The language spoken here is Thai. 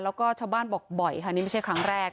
แล้วก็ชาวบ้านบอกบ่อยค่ะนี่ไม่ใช่ครั้งแรก